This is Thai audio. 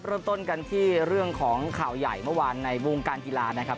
เริ่มต้นกันที่เรื่องของข่าวใหญ่เมื่อวานในวงการกีฬานะครับ